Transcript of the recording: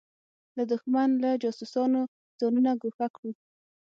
له دښمن له جاسوسانو ځانونه ګوښه کړو.